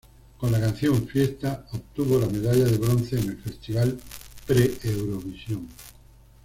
Con la canción "Fiesta" obtuvo la medalla de bronce en el Festival Pre-Eurovisión.